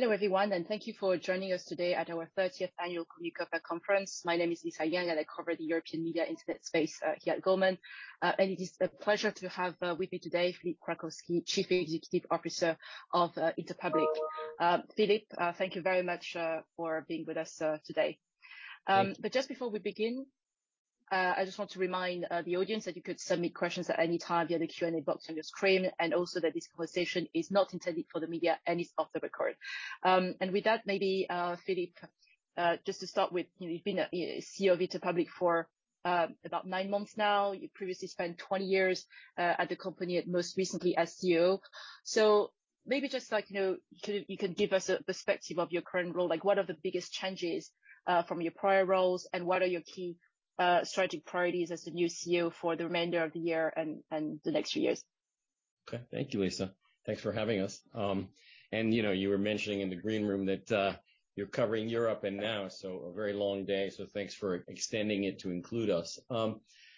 Hello everyone, and thank you for joining us today at our 30th Annual Communacopia Conference. My name is Lisa Yang, and I cover the European media and internet space here at Goldman Sachs. It is a pleasure to have with me today Philippe Krakowsky, Chief Executive Officer of Interpublic. Philippe, thank you very much for being with us today. Just before we begin, I just want to remind the audience that you could submit questions at any time via the Q&A box on your screen, and also that this conversation is not intended for the media and is off the record. With that, maybe Philippe, just to start with, you've been a CEO of Interpublic for about nine months now. You previously spent 20 years at the company, and most recently as CEO. So maybe just like, you know, you can give us a perspective of your current role, like what are the biggest changes from your prior roles, and what are your key strategic priorities as the new CEO for the remainder of the year and the next few years? Okay, thank you, Lisa. Thanks for having us, and you know, you were mentioning in the green room that you're covering Europe and now, so a very long day, so thanks for extending it to include us.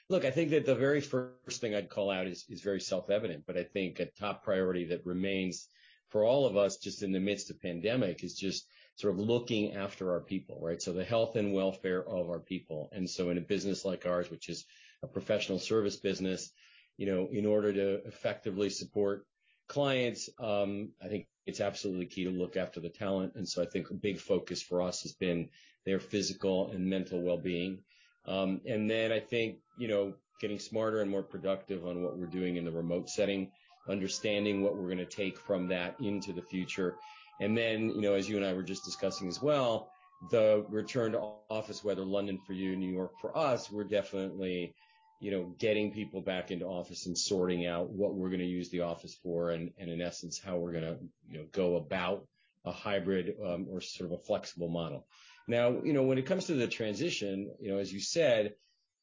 Look, I think that the very first thing I'd call out is very self-evident, but I think a top priority that remains for all of us just in the midst of pandemic is just sort of looking after our people, right, so the health and welfare of our people, and so in a business like ours, which is a professional service business, you know, in order to effectively support clients, I think it's absolutely key to look after the talent, and so I think a big focus for us has been their physical and mental well-being. I think, you know, getting smarter and more productive on what we're doing in the remote setting, understanding what we're going to take from that into the future. You know, as you and I were just discussing as well, the return to office, whether London for you, New York for us, we're definitely, you know, getting people back into office and sorting out what we're going to use the office for, and in essence, how we're going to, you know, go about a hybrid or sort of a flexible model. Now, you know, when it comes to the transition, you know, as you said,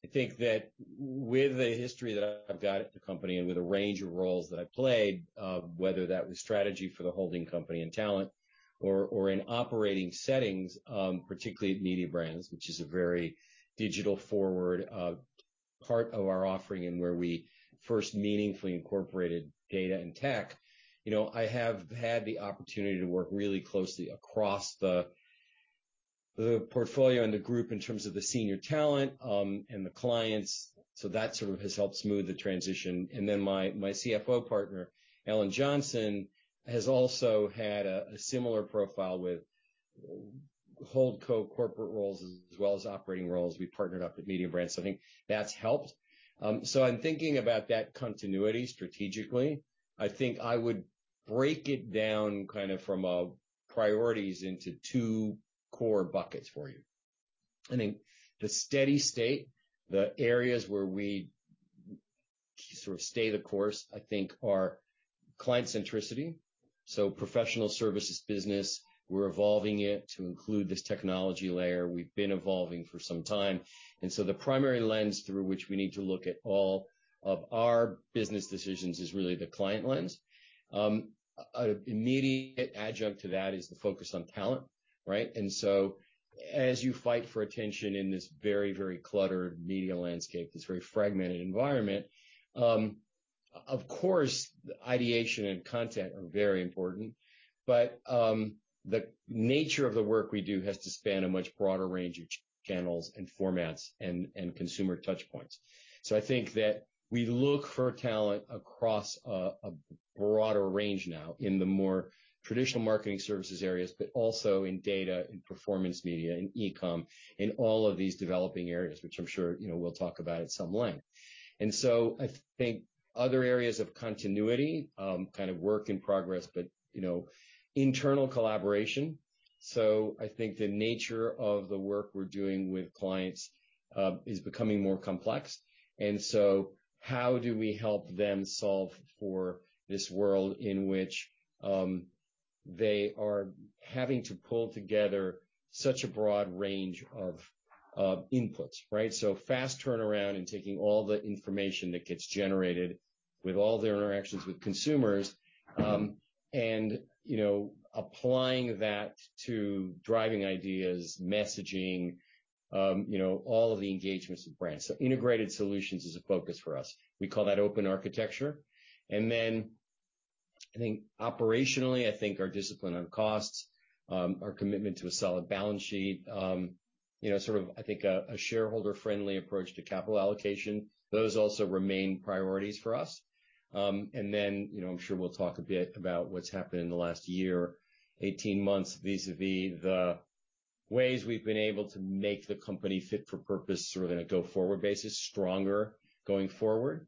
I think that with the history that I've got at the company and with a range of roles that I played, whether that was strategy for the holding company and talent or in operating settings, particularly at Mediabrands, which is a very digital-forward part of our offering and where we first meaningfully incorporated data and tech, you know, I have had the opportunity to work really closely across the portfolio and the group in terms of the senior talent and the clients. So that sort of has helped smooth the transition. And then my CFO partner, Ellen Johnson, has also had a similar profile with holding company corporate roles as well as operating roles. We partnered up with Mediabrands. So I think that's helped. So I'm thinking about that continuity strategically. I think I would break it down kind of from priorities into two core buckets for you. I think the steady state, the areas where we sort of stay the course, I think are client centricity, so professional services business, we're evolving it to include this technology layer. We've been evolving for some time, and so the primary lens through which we need to look at all of our business decisions is really the client lens. An immediate adjunct to that is the focus on talent, right, and so as you fight for attention in this very, very cluttered media landscape, this very fragmented environment, of course, ideation and content are very important, but the nature of the work we do has to span a much broader range of channels and formats and consumer touchpoints. So I think that we look for talent across a broader range now in the more traditional marketing services areas, but also in data and performance media and e-com and all of these developing areas, which I'm sure, you know, we'll talk about at some length. And so I think other areas of continuity, kind of work in progress, but, you know, internal collaboration. So I think the nature of the work we're doing with clients is becoming more complex. And so how do we help them solve for this world in which they are having to pull together such a broad range of inputs, right? So fast turnaround and taking all the information that gets generated with all their interactions with consumers and, you know, applying that to driving ideas, messaging, you know, all of the engagements with brands. So integrated solutions is a focus for us. We call that Open Architecture. And then I think operationally, I think our discipline on costs, our commitment to a solid balance sheet, you know, sort of I think a shareholder-friendly approach to capital allocation, those also remain priorities for us. And then, you know, I'm sure we'll talk a bit about what's happened in the last year, 18 months, vis-à-vis the ways we've been able to make the company fit for purpose sort of in a go-forward basis, stronger going forward.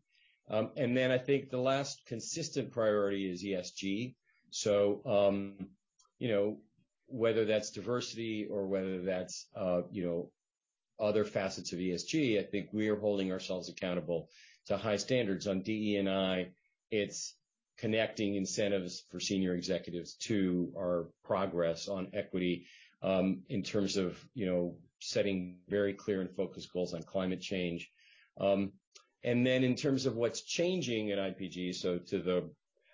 And then I think the last consistent priority is ESG. So, you know, whether that's diversity or whether that's, you know, other facets of ESG, I think we are holding ourselves accountable to high standards on DE&I. It's connecting incentives for senior executives to our progress on equity in terms of, you know, setting very clear and focused goals on climate change. And then, in terms of what's changing at IPG, so to the,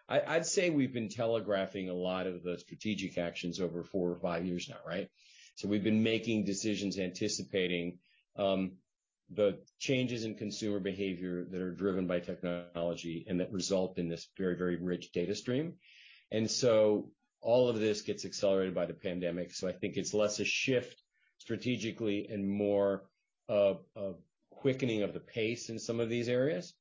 I'd say we've been telegraphing a lot of the strategic actions over four or five years now, right? So we've been making decisions anticipating the changes in consumer behavior that are driven by technology and that result in this very, very rich data stream. And so all of this gets accelerated by the pandemic. So I think it's less a shift strategically and more a quickening of the pace in some of these areas.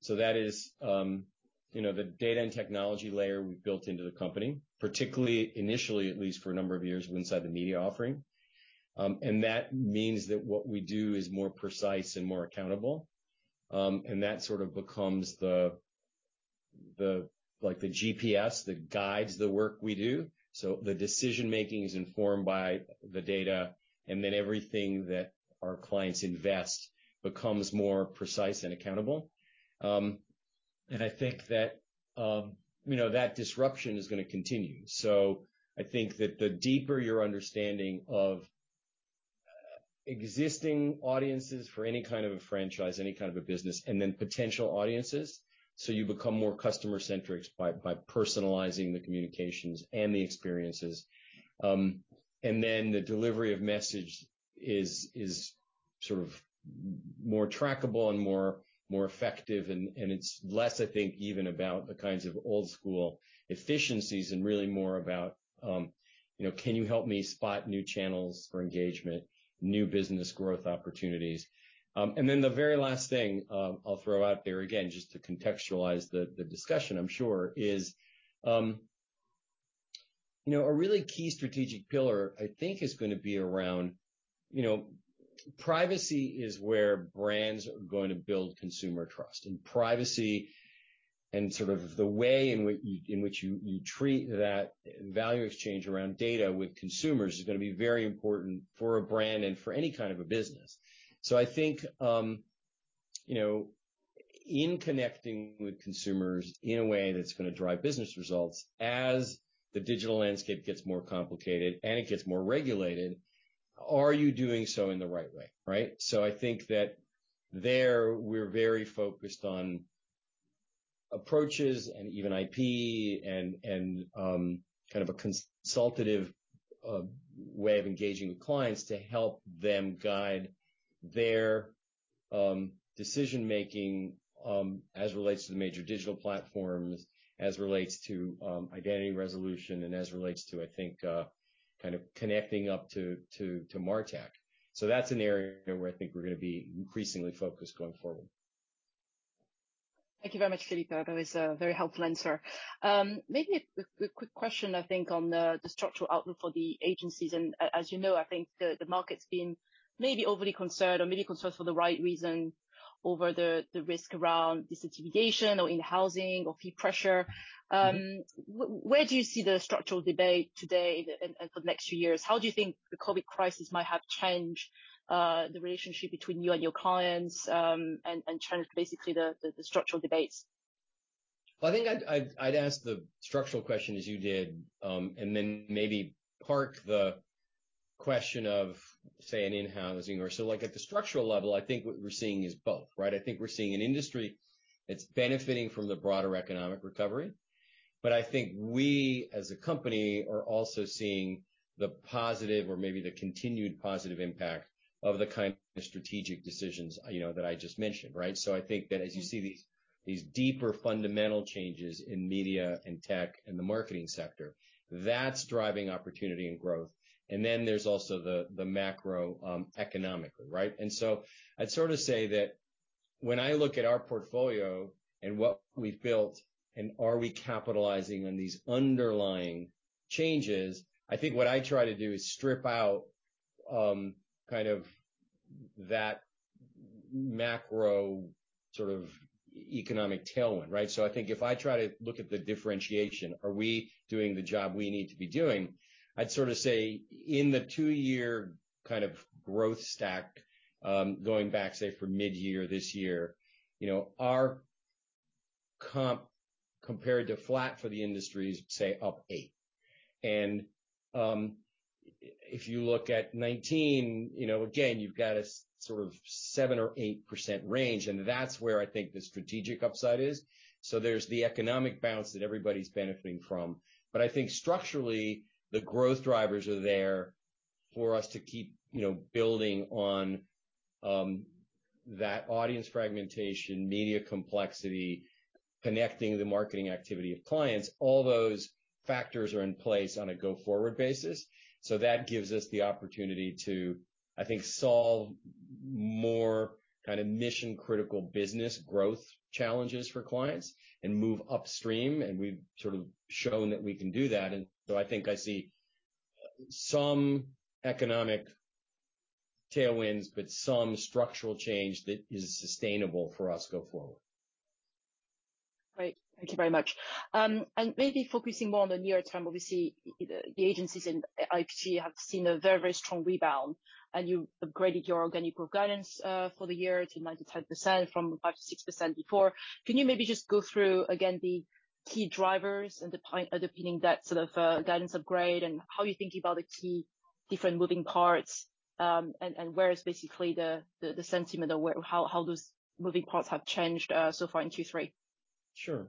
So that is, you know, the data and technology layer we've built into the company, particularly initially, at least for a number of years inside the media offering. And that means that what we do is more precise and more accountable. And that sort of becomes the, like the GPS that guides the work we do. So the decision-making is informed by the data, and then everything that our clients invest becomes more precise and accountable. And I think that, you know, that disruption is going to continue. So I think that the deeper your understanding of existing audiences for any kind of a franchise, any kind of a business, and then potential audiences, so you become more customer-centric by personalizing the communications and the experiences. And then the delivery of message is sort of more trackable and more effective. And it's less, I think, even about the kinds of old-school efficiencies and really more about, you know, can you help me spot new channels for engagement, new business growth opportunities. Then the very last thing I'll throw out there again, just to contextualize the discussion, I'm sure, is, you know, a really key strategic pillar, I think, is going to be around, you know, privacy is where brands are going to build consumer trust. And privacy and sort of the way in which you treat that value exchange around data with consumers is going to be very important for a brand and for any kind of a business. So I think, you know, in connecting with consumers in a way that's going to drive business results, as the digital landscape gets more complicated and it gets more regulated, are you doing so in the right way, right? I think that there, we're very focused on approaches and even IP and kind of a consultative way of engaging with clients to help them guide their decision-making as it relates to the major digital platforms, as it relates to identity resolution, and as it relates to, I think, kind of connecting up to MarTech. That's an area where I think we're going to be increasingly focused going forward. Thank you very much, Philippe. That was a very helpful answer. Maybe a quick question, I think, on the structural outlook for the agencies, and as you know, I think the market's been maybe overly concerned or maybe concerned for the right reason over the risk around disintermediation or in-housing or fee pressure. Where do you see the structural debate today and for the next few years? How do you think the COVID crisis might have changed the relationship between you and your clients and changed basically the structural debates? I think I'd ask the structural question as you did, and then maybe park the question of, say, an in-housing or so like at the structural level. I think what we're seeing is both, right? I think we're seeing an industry that's benefiting from the broader economic recovery. But I think we as a company are also seeing the positive or maybe the continued positive impact of the kind of strategic decisions, you know, that I just mentioned, right? So I think that as you see these deeper fundamental changes in media and tech and the marketing sector, that's driving opportunity and growth. And then there's also the macro economically, right? And so I'd sort of say that when I look at our portfolio and what we've built and are we capitalizing on these underlying changes, I think what I try to do is strip out kind of that macro sort of economic tailwind, right? So I think if I try to look at the differentiation, are we doing the job we need to be doing? I'd sort of say in the two-year kind of growth stack, going back, say, for mid-year this year, you know, our compared to flat for the industry is, say, up eight. And if you look at 2019, you know, again, you've got a sort of 7%-8% range, and that's where I think the strategic upside is. So there's the economic bounce that everybody's benefiting from. But I think structurally, the growth drivers are there for us to keep, you know, building on that audience fragmentation, media complexity, connecting the marketing activity of clients. All those factors are in place on a go-forward basis. So that gives us the opportunity to, I think, solve more kind of mission-critical business growth challenges for clients and move upstream. And we've sort of shown that we can do that. And so I think I see some economic tailwinds, but some structural change that is sustainable for us go forward. Great. Thank you very much. And maybe focusing more on the near term, obviously, the agencies and IPG have seen a very, very strong rebound, and you upgraded your organic growth guidance for the year to 9%-10% from 5%-6% before. Can you maybe just go through again the key drivers and the point underpinning that sort of guidance upgrade and how you're thinking about the key different moving parts and where is basically the sentiment or how those moving parts have changed so far in Q3? Sure.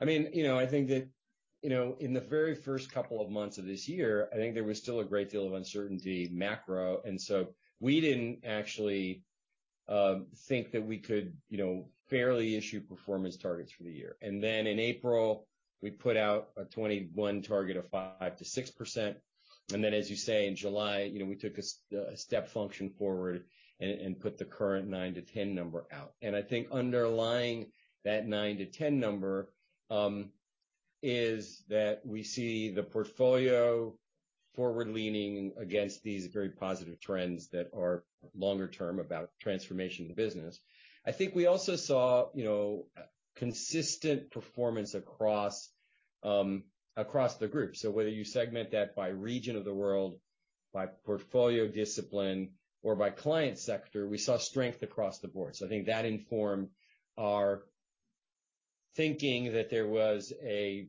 I mean, you know, I think that, you know, in the very first couple of months of this year, I think there was still a great deal of uncertainty macro. And so we didn't actually think that we could, you know, fairly issue performance targets for the year. And then in April, we put out a 2021 target of 5%-6%. And then, as you say, in July, you know, we took a step function forward and put the current 9%-10% number out. And I think underlying that 9%-10% number is that we see the portfolio forward-leaning against these very positive trends that are longer term about transformation of the business. I think we also saw, you know, consistent performance across the group. So whether you segment that by region of the world, by portfolio discipline, or by client sector, we saw strength across the board. So I think that informed our thinking that there was a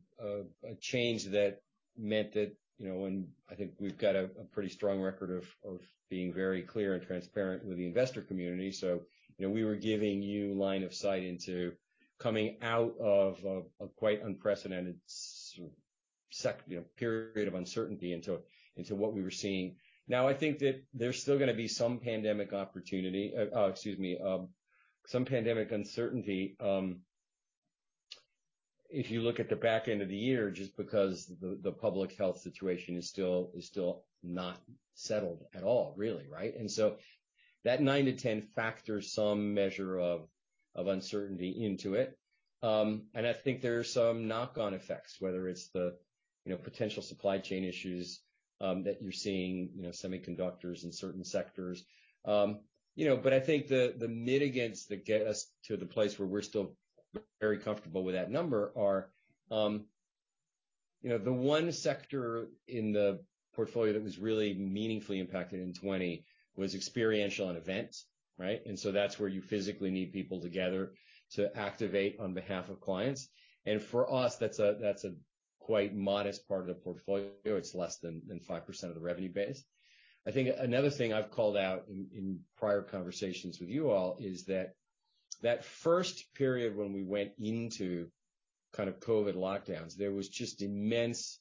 change that meant that, you know, and I think we've got a pretty strong record of being very clear and transparent with the investor community. So, you know, we were giving you line of sight into coming out of a quite unprecedented sort of period of uncertainty into what we were seeing. Now, I think that there's still going to be some pandemic opportunity, excuse me, some pandemic uncertainty if you look at the back end of the year, just because the public health situation is still not settled at all, really, right? And so that 9%-10% factors some measure of uncertainty into it. And I think there are some knock-on effects, whether it's the, you know, potential supply chain issues that you're seeing, you know, semiconductors in certain sectors. You know, but I think the mitigants that get us to the place where we're still very comfortable with that number are, you know, the one sector in the portfolio that was really meaningfully impacted in 2020 was experiential and events, right? And so that's where you physically need people together to activate on behalf of clients. And for us, that's a quite modest part of the portfolio. It's less than 5% of the revenue base. I think another thing I've called out in prior conversations with you all is that that first period when we went into kind of COVID lockdowns, there was just immense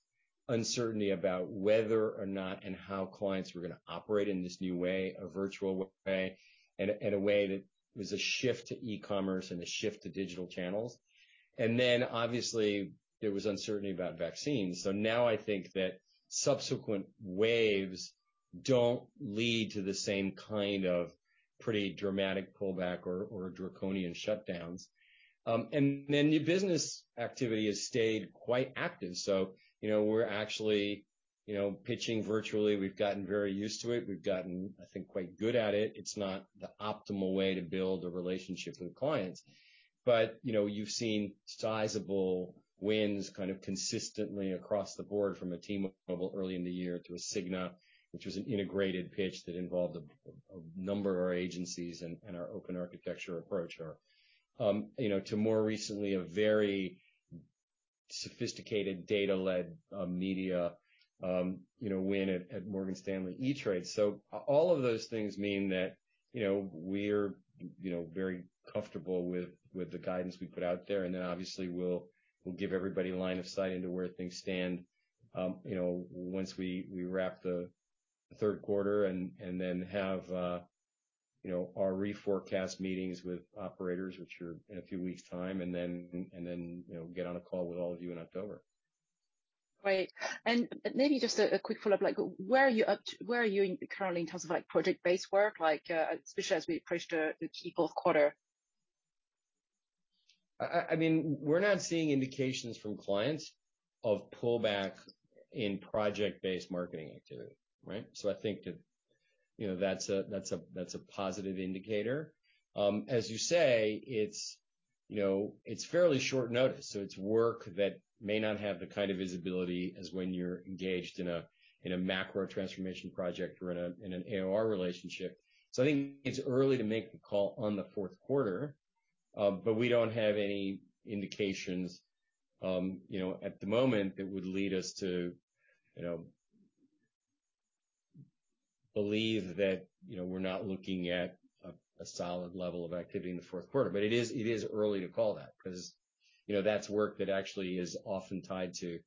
uncertainty about whether or not and how clients were going to operate in this new way, a virtual way, and a way that was a shift to e-commerce and a shift to digital channels, and then, obviously, there was uncertainty about vaccines, so now I think that subsequent waves don't lead to the same kind of pretty dramatic pullback or draconian shutdowns, and then your business activity has stayed quite active, so, you know, we're actually, you know, pitching virtually. We've gotten very used to it. We've gotten, I think, quite good at it. It's not the optimal way to build a relationship with clients. But, you know, you've seen sizable wins kind of consistently across the board from a T-Mobile early in the year to a Cigna, which was an integrated pitch that involved a number of our agencies and our Open Architecture approach, or, you know, to more recently, a very sophisticated data-led media, you know, win at Morgan Stanley E*TRADE. So all of those things mean that, you know, we're, you know, very comfortable with the guidance we put out there. And then, obviously, we'll give everybody line of sight into where things stand, you know, once we wrap the third quarter and then have, you know, our reforecast meetings with operators, which are in a few weeks' time, and then, you know, get on a call with all of you in October. Great, and maybe just a quick follow-up, like where are you currently in terms of like project-based work, like especially as we approach the key fourth quarter? I mean, we're not seeing indications from clients of pullback in project-based marketing activity, right? So I think that, you know, that's a positive indicator. As you say, it's, you know, it's fairly short notice. So it's work that may not have the kind of visibility as when you're engaged in a macro transformation project or in an AOR relationship. So I think it's early to make the call on the fourth quarter, but we don't have any indications, you know, at the moment that would lead us to, you know, believe that, you know, we're not looking at a solid level of activity in the fourth quarter. But it is early to call that because, you know, that's work that actually is often tied to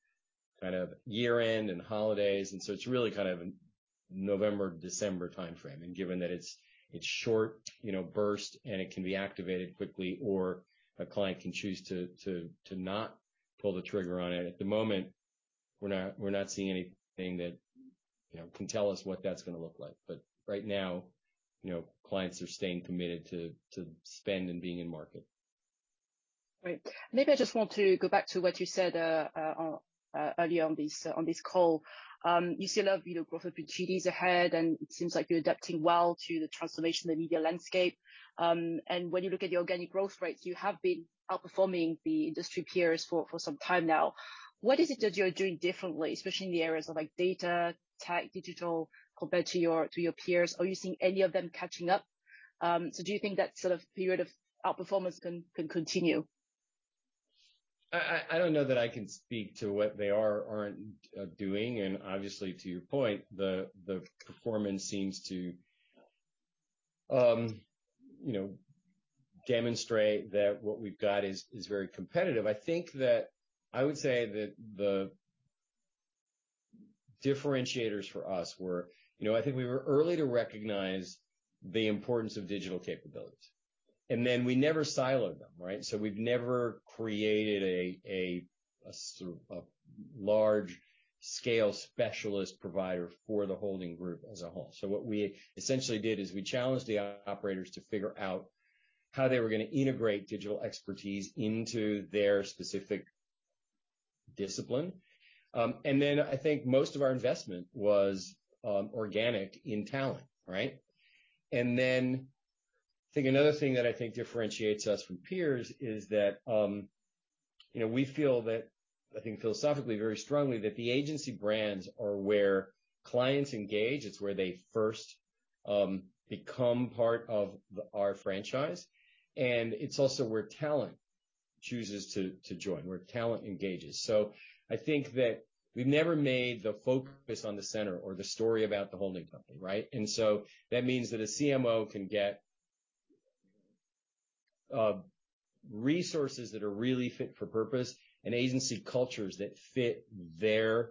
kind of year-end and holidays, and so it's really kind of November, December timeframe. And given that it's short, you know, burst, and it can be activated quickly, or a client can choose to not pull the trigger on it. At the moment, we're not seeing anything that, you know, can tell us what that's going to look like. But right now, you know, clients are staying committed to spend and being in market. Right. Maybe I just want to go back to what you said earlier on this call. You see a lot of, you know, growth opportunities ahead, and it seems like you're adapting well to the transformation of the media landscape. And when you look at your organic growth rates, you have been outperforming the industry peers for some time now. What is it that you're doing differently, especially in the areas of like data, tech, digital, compared to your peers? Are you seeing any of them catching up? So do you think that sort of period of outperformance can continue? I don't know that I can speak to what they are or aren't doing, and obviously, to your point, the performance seems to, you know, demonstrate that what we've got is very competitive. I think that I would say that the differentiators for us were, you know, I think we were early to recognize the importance of digital capabilities, and then we never siloed them, right, so we've never created a sort of large-scale specialist provider for the holding group as a whole, so what we essentially did is we challenged the operators to figure out how they were going to integrate digital expertise into their specific discipline, and then I think most of our investment was organic in talent, right? And then I think another thing that I think differentiates us from peers is that, you know, we feel that, I think philosophically, very strongly that the agency brands are where clients engage. It's where they first become part of our franchise. And it's also where talent chooses to join, where talent engages. So I think that we've never made the focus on the center or the story about the holding company, right? And so that means that a CMO can get resources that are really fit for purpose and agency cultures that fit their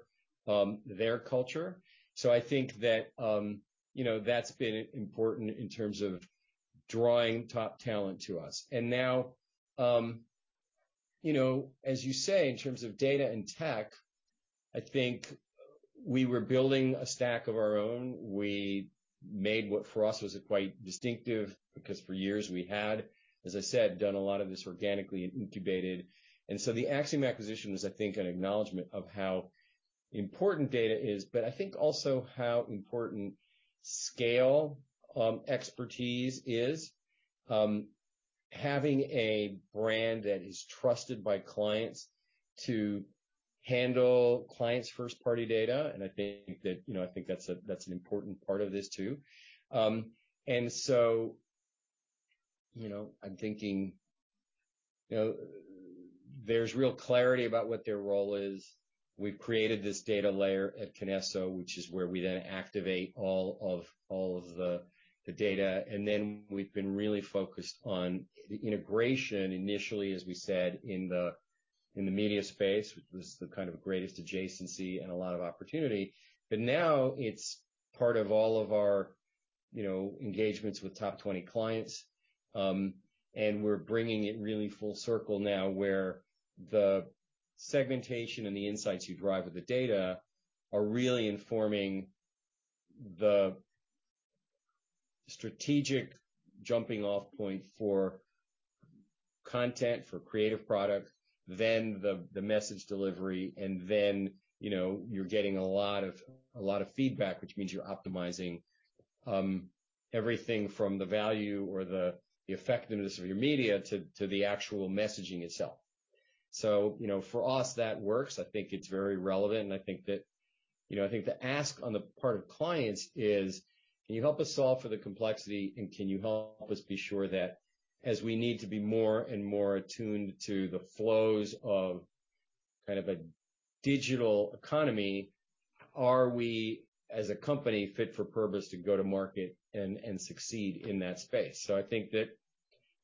culture. So I think that, you know, that's been important in terms of drawing top talent to us. And now, you know, as you say, in terms of data and tech, I think we were building a stack of our own. We made what for us was quite distinctive because for years we had, as I said, done a lot of this organically and incubated. The Acxiom acquisition was, I think, an acknowledgment of how important data is, but I think also how important scale expertise is, having a brand that is trusted by clients to handle clients' first-party data. I think that, you know, I think that's an important part of this too. I'm thinking, you know, there's real clarity about what their role is. We've created this data layer at Kinesso, which is where we then activate all of the data. We've been really focused on the integration initially, as we said, in the media space, which was the kind of greatest adjacency and a lot of opportunity. But now it's part of all of our, you know, engagements with top 20 clients. And we're bringing it really full circle now where the segmentation and the insights you drive with the data are really informing the strategic jumping-off point for content, for creative product, then the message delivery. And then, you know, you're getting a lot of feedback, which means you're optimizing everything from the value or the effectiveness of your media to the actual messaging itself. So, you know, for us, that works. I think it's very relevant. And I think that, you know, I think the ask on the part of clients is, can you help us solve for the complexity? Can you help us be sure that as we need to be more and more attuned to the flows of kind of a digital economy, are we as a company fit for purpose to go to market and succeed in that space? I think that,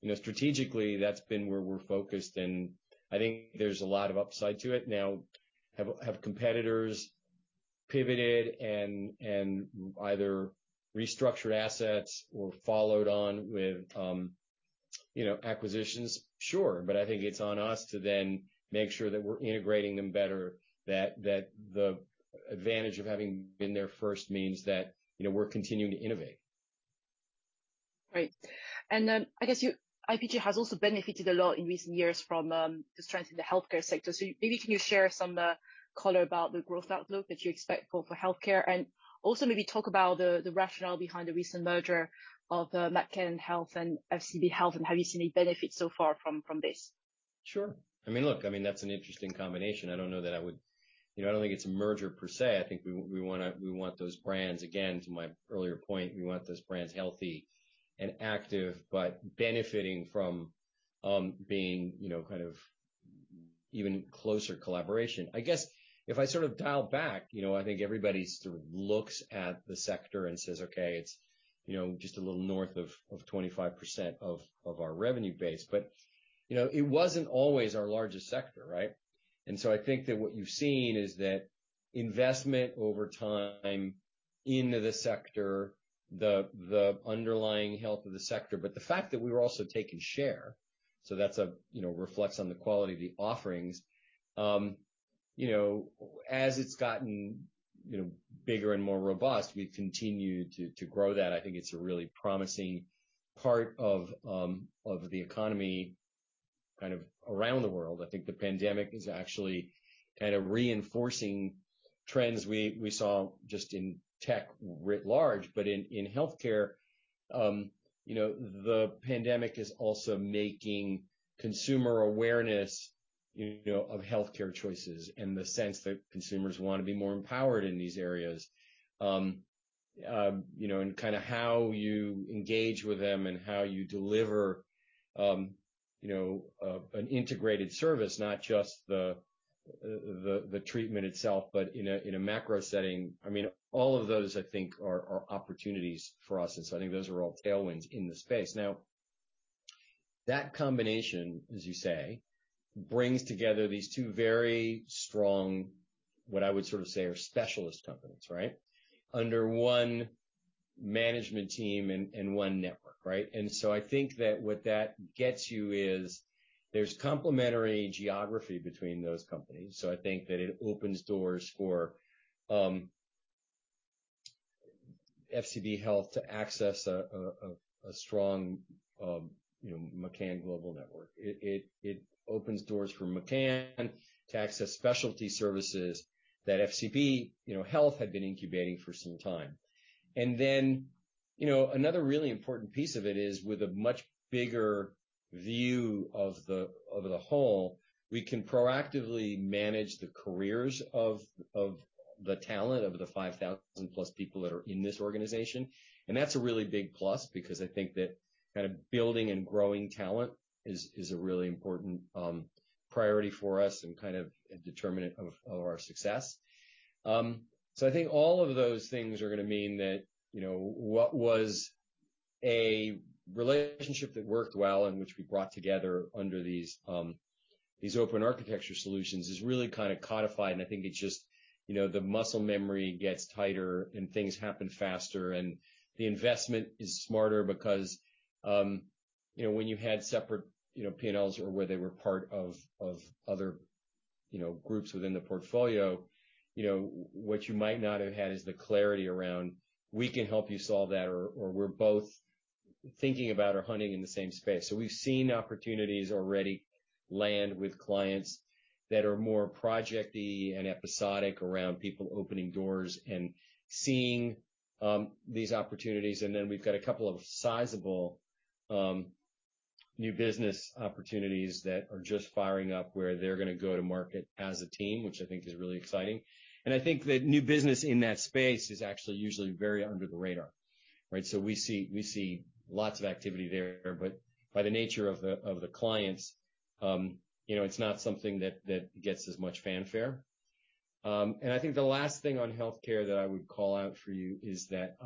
you know, strategically, that's been where we've focused. And I think there's a lot of upside to it. Now, have competitors pivoted and either restructured assets or followed on with, you know, acquisitions? Sure. I think it's on us to then make sure that we're integrating them better, that the advantage of having been there first means that, you know, we're continuing to innovate. Right. And then I guess IPG has also benefited a lot in recent years from the strength in the healthcare sector. So maybe can you share some color about the growth outlook that you expect for healthcare and also maybe talk about the rationale behind the recent merger of McCann Health and FCB Health? And have you seen any benefits so far from this? Sure. I mean, look, I mean, that's an interesting combination. I don't know that I would, you know, I don't think it's a merger per se. I think we want those brands, again, to my earlier point, we want those brands healthy and active, but benefiting from being, you know, kind of even closer collaboration. I guess if I sort of dial back, you know, I think everybody sort of looks at the sector and says, okay, it's, you know, just a little north of 25% of our revenue base. But, you know, it wasn't always our largest sector, right? And so I think that what you've seen is that investment over time into the sector, the underlying health of the sector, but the fact that we were also taking share, so that's a, you know, reflects on the quality of the offerings, you know, as it's gotten, you know, bigger and more robust. We've continued to grow that. I think it's a really promising part of the economy kind of around the world. I think the pandemic is actually kind of reinforcing trends we saw just in tech writ large. But in healthcare, you know, the pandemic is also making consumer awareness, you know, of healthcare choices and the sense that consumers want to be more empowered in these areas, you know, and kind of how you engage with them and how you deliver, you know, an integrated service, not just the treatment itself, but in a macro setting. I mean, all of those, I think, are opportunities for us. And so I think those are all tailwinds in the space. Now, that combination, as you say, brings together these two very strong, what I would sort of say are specialist companies, right, under one management team and one network, right? And so I think that what that gets you is there's complementary geography between those companies. So I think that it opens doors for FCB Health to access a strong, you know, McCann Global network. It opens doors for McCann to access specialty services that FCB, you know, Health had been incubating for some time. And then, you know, another really important piece of it is with a much bigger view of the whole, we can proactively manage the careers of the talent of the 5,000-plus people that are in this organization. That's a really big plus because I think that kind of building and growing talent is a really important priority for us and kind of a determinant of our success. So I think all of those things are going to mean that, you know, what was a relationship that worked well and which we brought together under these Open Architecture solutions is really kind of codified. And I think it's just, you know, the muscle memory gets tighter and things happen faster, and the investment is smarter because, you know, when you had separate, you know, P&Ls or where they were part of other, you know, groups within the portfolio, you know, what you might not have had is the clarity around, we can help you solve that or we're both thinking about or hunting in the same space. So we've seen opportunities already land with clients that are more projecty and episodic around people opening doors and seeing these opportunities. And then we've got a couple of sizable new business opportunities that are just firing up where they're going to go to market as a team, which I think is really exciting. And I think that new business in that space is actually usually very under the radar, right? So we see lots of activity there. But by the nature of the clients, you know, it's not something that gets as much fanfare. And I think the last thing on healthcare that I would call out for you is that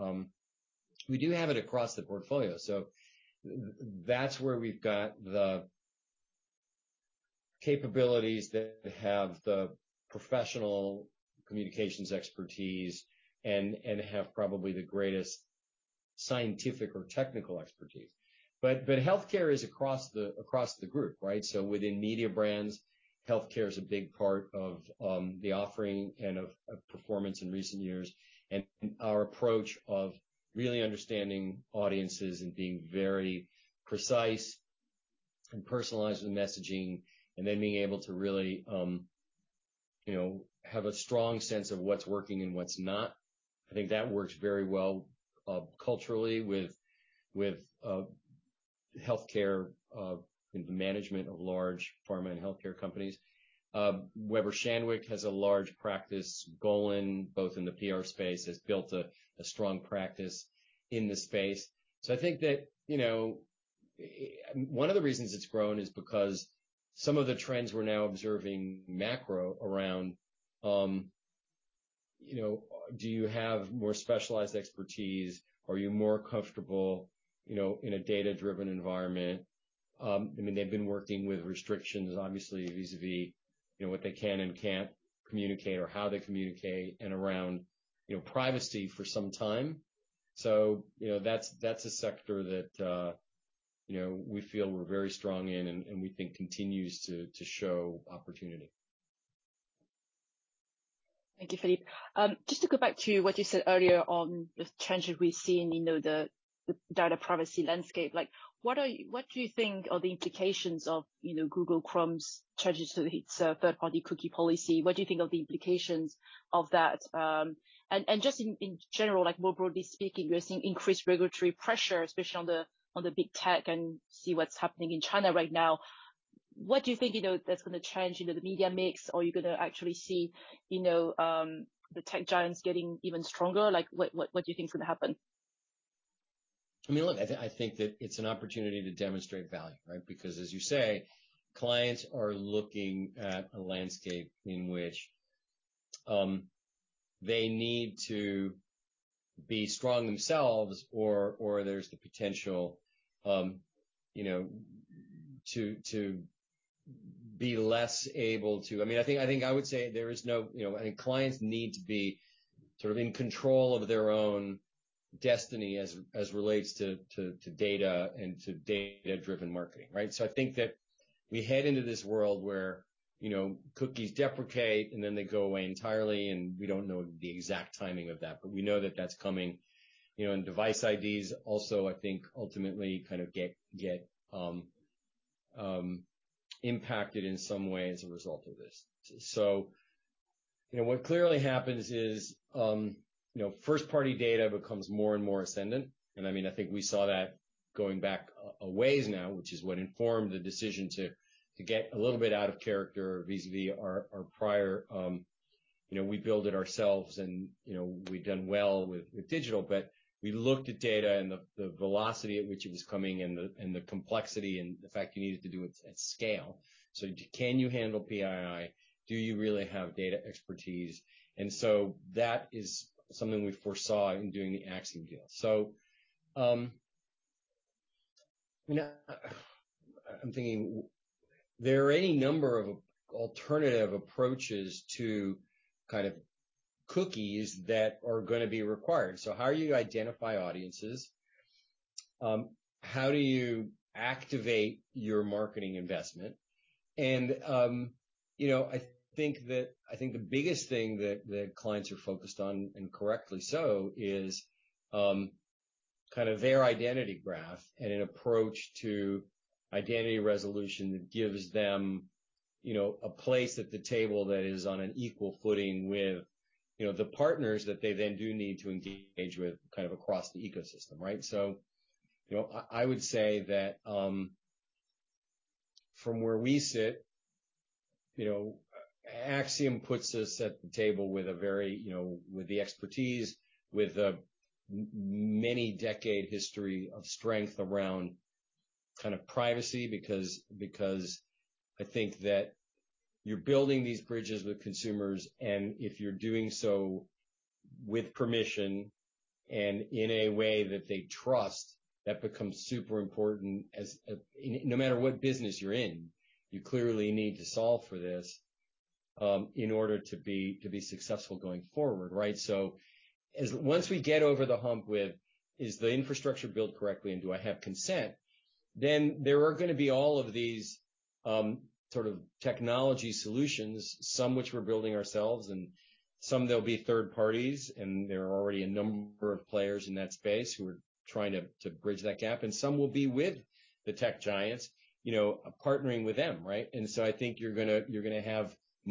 we do have it across the portfolio. So that's where we've got the capabilities that have the professional communications expertise and have probably the greatest scientific or technical expertise. But healthcare is across the group, right? Within Mediabrands, healthcare is a big part of the offering and of performance in recent years. And our approach of really understanding audiences and being very precise and personalized with messaging and then being able to really, you know, have a strong sense of what's working and what's not, I think that works very well culturally with healthcare and the management of large pharma and healthcare companies. Weber Shandwick has a large practice. Golin, both in the PR space, has built a strong practice in the space. I think that, you know, one of the reasons it's grown is because some of the trends we're now observing macro around, you know, do you have more specialized expertise? Are you more comfortable, you know, in a data-driven environment? I mean, they've been working with restrictions, obviously, vis-à-vis, you know, what they can and can't communicate or how they communicate and around, you know, privacy for some time. So, you know, that's a sector that, you know, we feel we're very strong in and we think continues to show opportunity. Thank you, Philippe. Just to go back to what you said earlier on the changes we've seen in the data privacy landscape, like what do you think are the implications of, you know, Google Chrome's changes to its third-party cookie policy? What do you think are the implications of that? And just in general, like more broadly speaking, you're seeing increased regulatory pressure, especially on the big tech, and see what's happening in China right now. What do you think, you know, that's going to change in the media mix or you're going to actually see, you know, the tech giants getting even stronger? Like what do you think is going to happen? I mean, look, I think that it's an opportunity to demonstrate value, right? Because as you say, clients are looking at a landscape in which they need to be strong themselves or there's the potential, you know, to be less able to. I mean, I think I would say there is no, you know, I think clients need to be sort of in control of their own destiny as relates to data and to data-driven marketing, right? So I think that we head into this world where, you know, cookies deprecate and then they go away entirely and we don't know the exact timing of that. But we know that that's coming, you know, and device IDs also, I think, ultimately kind of get impacted in some way as a result of this. So, you know, what clearly happens is, you know, first-party data becomes more and more ascendant. I mean, I think we saw that going back a ways now, which is what informed the decision to get a little bit out of character vis-à-vis our prior, you know, we built it ourselves and, you know, we've done well with digital. But we looked at data and the velocity at which it was coming and the complexity and the fact you needed to do it at scale. So can you handle PII? Do you really have data expertise? And so that is something we foresaw in doing the Acxiom deal. So, I mean, I'm thinking there are any number of alternative approaches to kind of cookies that are going to be required. So how do you identify audiences? How do you activate your marketing investment? You know, I think the biggest thing that clients are focused on, and correctly so, is kind of their identity graph and an approach to identity resolution that gives them, you know, a place at the table that is on an equal footing with, you know, the partners that they then do need to engage with kind of across the ecosystem, right? You know, I would say that from where we sit, you know, Acxiom puts us at the table with a very, you know, with the expertise, with a many-decade history of strength around kind of privacy because I think that you're building these bridges with consumers. And if you're doing so with permission and in a way that they trust, that becomes super important as no matter what business you're in, you clearly need to solve for this in order to be successful going forward, right? So once we get over the hump with, is the infrastructure built correctly and do I have consent, then there are going to be all of these sort of technology solutions, some which we're building ourselves and some there'll be third parties and there are already a number of players in that space who are trying to bridge that gap. And some will be with the tech giants, you know, partnering with them, right? And so I think you're going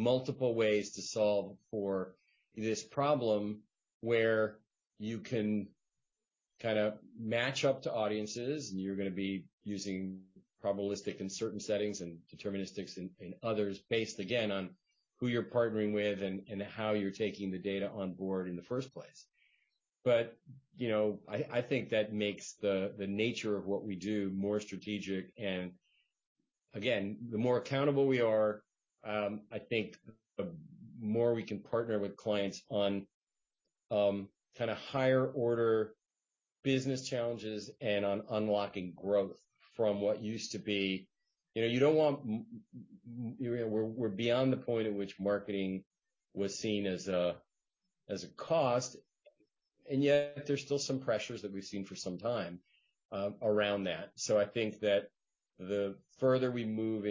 to have multiple ways to solve for this problem where you can kind of match up to audiences and you're going to be using probabilistic in certain settings and deterministic in others based again on who you're partnering with and how you're taking the data on board in the first place. But, you know, I think that makes the nature of what we do more strategic. And again, the more accountable we are, I think the more we can partner with clients on kind of higher-order business challenges and on unlocking growth from what used to be, you know, you don't want, you know, we're beyond the point at which marketing was seen as a cost. And yet there's still some pressures that we've seen for some time around that. So I think that the further we move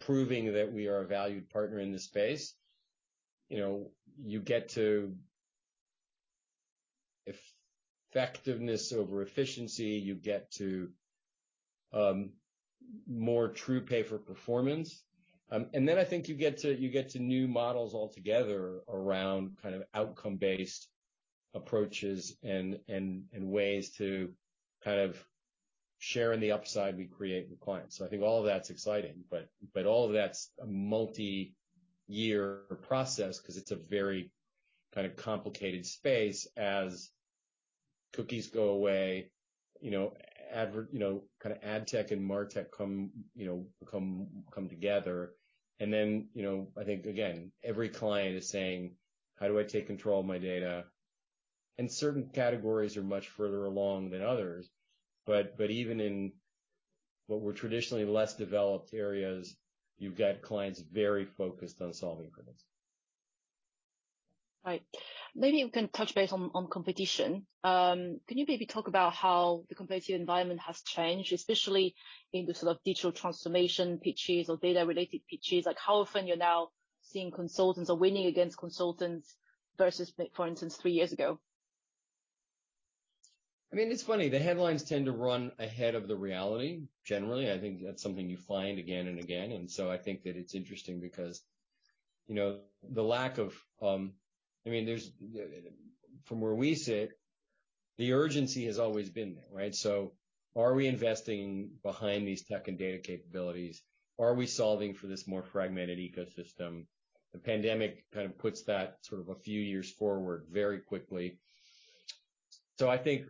into proving that we are a valued partner in this space, you know, you get to effectiveness over efficiency, you get to more true pay-for-performance. And then I think you get to new models altogether around kind of outcome-based approaches and ways to kind of share in the upside we create with clients. So I think all of that's exciting, but all of that's a multi-year process because it's a very kind of complicated space as cookies go away, you know, kind of AdTech and MarTech come, you know, come together. And then, you know, I think again, every client is saying, how do I take control of my data? And certain categories are much further along than others. But even in what were traditionally less developed areas, you've got clients very focused on solving problems. Right. Maybe you can touch base on competition. Can you maybe talk about how the competitive environment has changed, especially in the sort of digital transformation pitches or data-related pitches? Like how often you're now seeing consultants or winning against consultants versus, for instance, three years ago? I mean, it's funny. The headlines tend to run ahead of the reality generally. I think that's something you find again and again, and so I think that it's interesting because, you know, the lack of, I mean, there's, from where we sit, the urgency has always been there, right? So are we investing behind these tech and data capabilities? Are we solving for this more fragmented ecosystem? The pandemic kind of puts that sort of a few years forward very quickly, so I think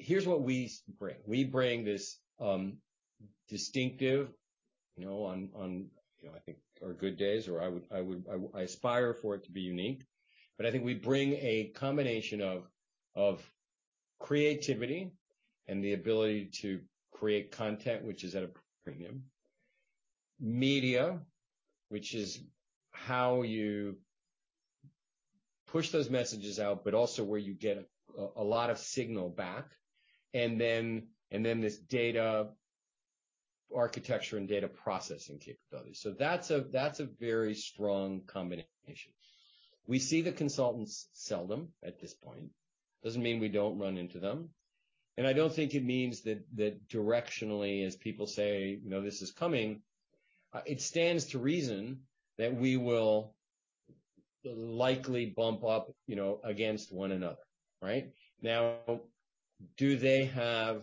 here's what we bring. We bring this distinctive, you know, on, you know, I think our good days or I aspire for it to be unique, but I think we bring a combination of creativity and the ability to create content, which is at a premium, media, which is how you push those messages out, but also where you get a lot of signal back. And then this data architecture and data processing capability. So that's a very strong combination. We see the consultants seldom at this point. Doesn't mean we don't run into them. And I don't think it means that directionally, as people say, you know, this is coming. It stands to reason that we will likely bump up, you know, against one another, right? Now, do they have,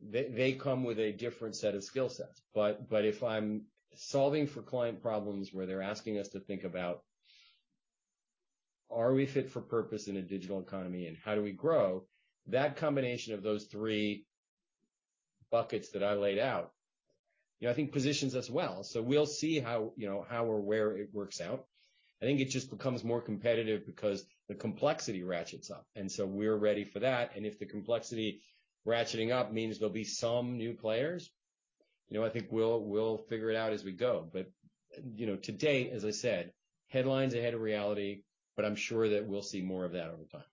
they come with a different set of skill sets. But if I'm solving for client problems where they're asking us to think about, are we fit for purpose in a digital economy and how do we grow, that combination of those three buckets that I laid out, you know, I think positions us well. So we'll see how, you know, how or where it works out. I think it just becomes more competitive because the complexity ratchets up. And so we're ready for that. If the complexity ratcheting up means there'll be some new players, you know, I think we'll figure it out as we go. You know, today, as I said, headlines ahead of reality, but I'm sure that we'll see more of that over time.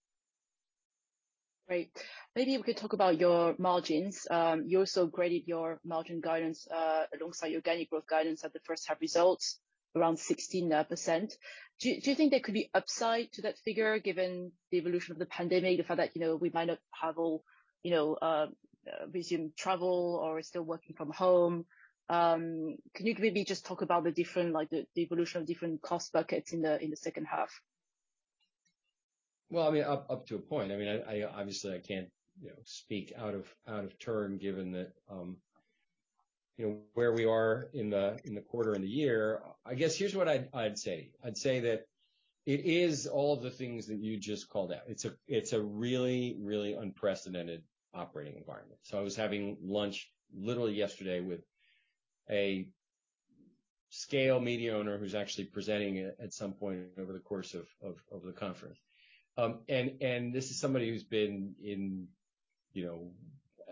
Right. Maybe if we could talk about your margins. You also raised your margin guidance alongside your organic growth guidance at the first-half results around 16%. Do you think there could be upside to that figure given the evolution of the pandemic, the fact that, you know, we might not have all, you know, resumed travel or still working from home? Can you maybe just talk about the different, like the evolution of different cost buckets in the second half? I mean, up to a point. I mean, obviously, I can't, you know, speak out of turn given that, you know, where we are in the quarter and the year. I guess here's what I'd say. I'd say that it is all of the things that you just called out. It's a really, really unprecedented operating environment. I was having lunch literally yesterday with a scale media owner who's actually presenting at some point over the course of the conference. This is somebody who's been in, you know,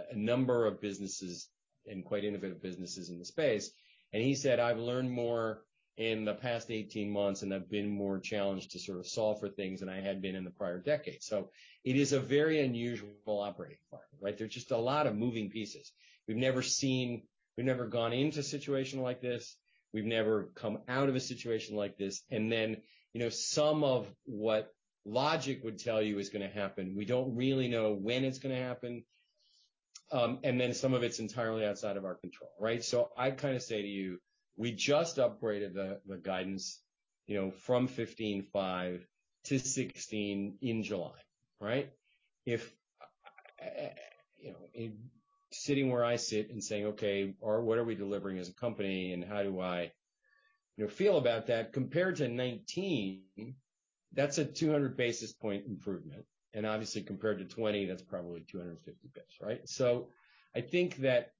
a number of businesses and quite innovative businesses in the space. He said, I've learned more in the past 18 months and I've been more challenged to sort of solve for things than I had been in the prior decades. It is a very unusual operating environment, right? There's just a lot of moving pieces. We've never seen, we've never gone into a situation like this. We've never come out of a situation like this. And then, you know, some of what logic would tell you is going to happen, we don't really know when it's going to happen. And then some of it's entirely outside of our control, right? So I'd kind of say to you, we just upgraded the guidance, you know, from 15.5 to 16 in July, right? If, you know, sitting where I sit and saying, okay, or what are we delivering as a company and how do I, you know, feel about that compared to 2019, that's a 200 basis point improvement. And obviously compared to 2020, that's probably 250 basis, right? I think that,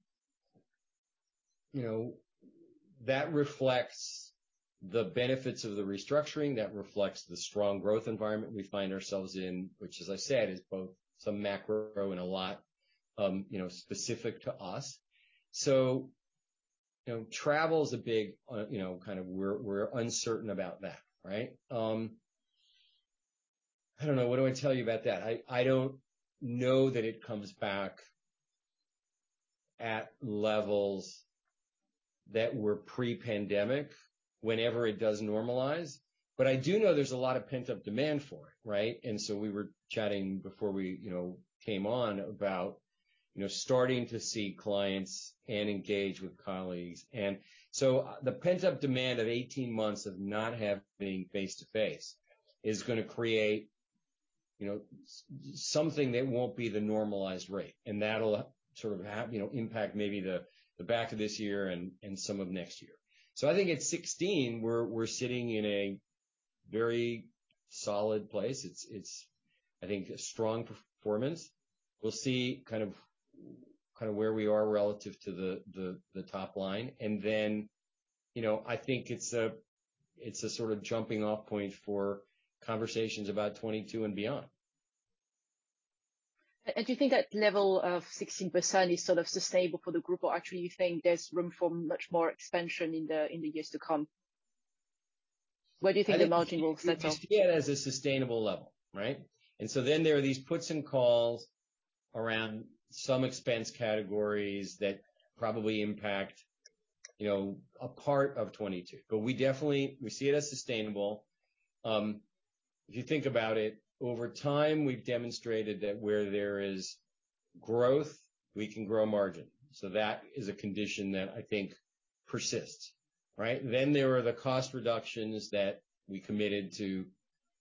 you know, that reflects the benefits of the restructuring, that reflects the strong growth environment we find ourselves in, which, as I said, is both some macro and a lot, you know, specific to us. You know, travel is a big, you know, kind of we're uncertain about that, right? I don't know, what do I tell you about that? I don't know that it comes back at levels that were pre-pandemic whenever it does normalize. I do know there's a lot of pent-up demand for it, right? We were chatting before we, you know, came on about, you know, starting to see clients and engage with colleagues. The pent-up demand of 18 months of not having face-to-face is going to create, you know, something that won't be the normalized rate. And that'll sort of have, you know, impact maybe the back of this year and some of next year. So I think at 16, we're sitting in a very solid place. It's, I think, a strong performance. We'll see kind of where we are relative to the top line. And then, you know, I think it's a sort of jumping-off point for conversations about 22 and beyond. Do you think that level of 16% is sort of sustainable for the group or actually you think there's room for much more expansion in the years to come? Where do you think the margin will set up? We see it as a sustainable level, right? And so then there are these puts and calls around some expense categories that probably impact, you know, a part of 2022. But we definitely, we see it as sustainable. If you think about it, over time, we've demonstrated that where there is growth, we can grow margin. So that is a condition that I think persists, right? Then there are the cost reductions that we committed to,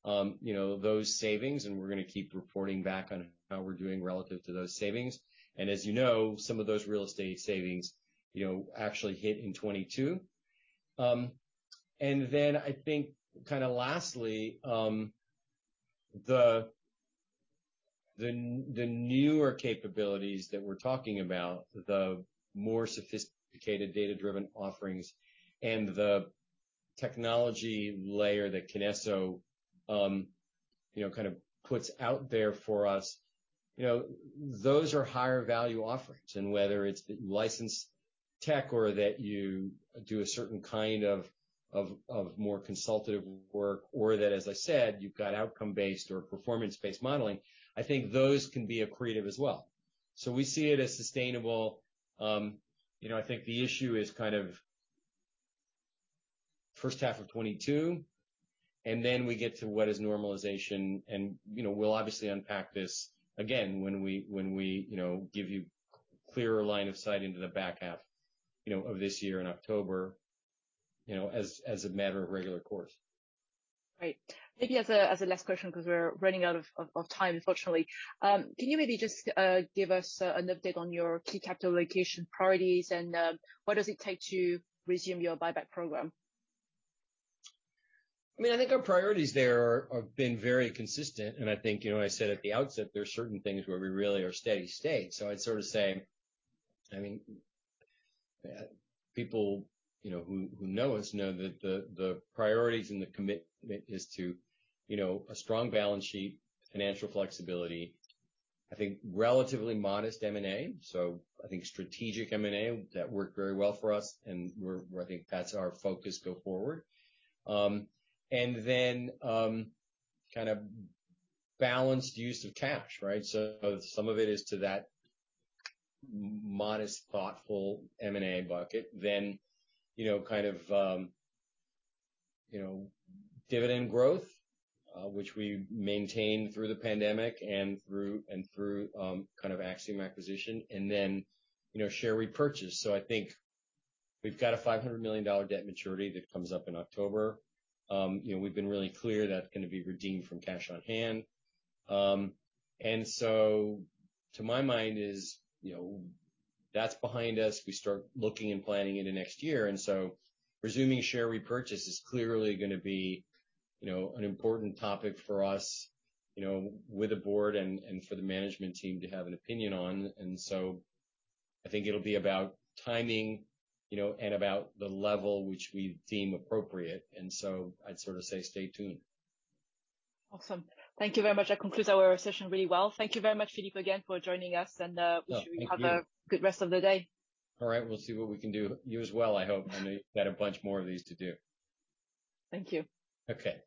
you know, those savings, and we're going to keep reporting back on how we're doing relative to those savings. And as you know, some of those real estate savings, you know, actually hit in 2022. And then I think kind of lastly, the newer capabilities that we're talking about, the more sophisticated data-driven offerings and the technology layer that Kinesso, you know, kind of puts out there for us, you know, those are higher value offerings. And whether it's licensed tech or that you do a certain kind of more consultative work or that, as I said, you've got outcome-based or performance-based modeling, I think those can be accretive as well. So we see it as sustainable. You know, I think the issue is kind of first half of 2022, and then we get to what is normalization. And, you know, we'll obviously unpack this again when we, you know, give you a clearer line of sight into the back half, you know, of this year in October, you know, as a matter of regular course. Right. Maybe as a last question because we're running out of time, unfortunately. Can you maybe just give us an update on your key capital allocation priorities and what does it take to resume your buyback program? I mean, I think our priorities there have been very consistent, and I think, you know, I said at the outset, there are certain things where we really are steady state, so I'd sort of say, I mean, people, you know, who know us know that the priorities and the commitment is to, you know, a strong balance sheet, financial flexibility, I think relatively modest M&A, so I think strategic M&A that worked very well for us, and I think that's our focus go forward, and then kind of balanced use of cash, right, so some of it is to that modest, thoughtful M&A bucket, then, you know, kind of, you know, dividend growth, which we maintained through the pandemic and through kind of Acxiom acquisition, and then, you know, share repurchase, so I think we've got a $500 million debt maturity that comes up in October. You know, we've been really clear that's going to be redeemed from cash on hand. And so to my mind is, you know, that's behind us. We start looking and planning into next year. And so resuming share repurchase is clearly going to be, you know, an important topic for us, you know, with a board and for the management team to have an opinion on. And so I think it'll be about timing, you know, and about the level which we deem appropriate. And so I'd sort of say stay tuned. Awesome. Thank you very much. That concludes our session really well. Thank you very much, Philippe, again for joining us. And wish you have a good rest of the day. All right. We'll see what we can do. You as well, I hope. I know you've got a bunch more of these to do. Thank you. Okay.